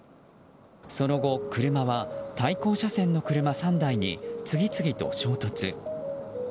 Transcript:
その後、車は対向車線の車３台に次々と衝突。